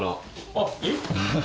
あっえっ？